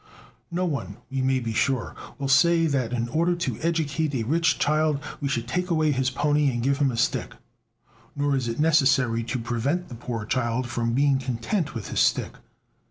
No one, we may be sure, will say that in order to educate a rich child we should take away his pony and give him a stick. Nor is it necessary to prevent the poor child from being content with his stick.